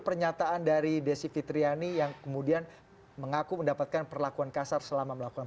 pernyataan dari desi fitriani yang kemudian mengaku mendapatkan perlakuan kasar selama melakukan